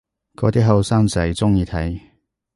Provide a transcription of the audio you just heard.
嗰啲後生仔鍾意睇